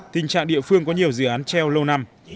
tình trạng địa phương có nhiều dự án treo lâu năm